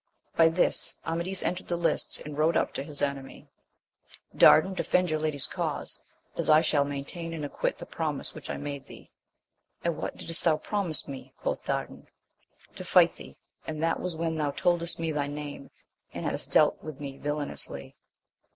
By this, Amadis entered the lists and rode up to his enemy, — Dardan, defend your lady's cause, as I shall maintain and acquit the promise which I made thee ! And what didst thou promise me 1 quoth Dardan. — To fight thee, and that was when thou toldest me thy name, and hadst dealt with me villainously.